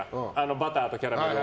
バターとキャラメルを。